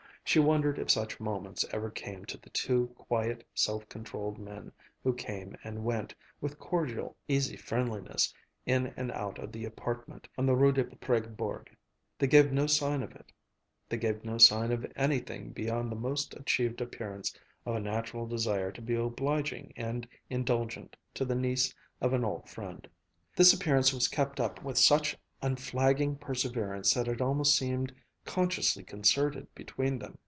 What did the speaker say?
She wondered if such moments ever came to the two quiet, self controlled men who came and went, with cordial, easy friendliness, in and out of the appartement on the Rue de Presbourg. They gave no sign of it, they gave no sign of anything beyond the most achieved appearance of a natural desire to be obliging and indulgent to the niece of an old friend. This appearance was kept up with such unflagging perseverance that it almost seemed consciously concerted between them.